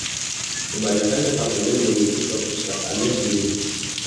Kebanyakan departemen memiliki perpustakaannya sendiri.